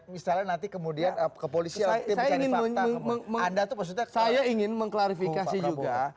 misalnya nanti kemudian ke polisi saya ingin mengandalkan saya ingin mengklarifikasi juga